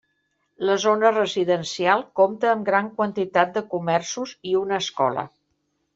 La zona residencial compta amb gran quantitat de comerços i una escola.